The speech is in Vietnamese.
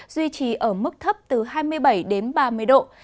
duy trì ở mức thấp từ hai mươi bảy đến ba mươi độ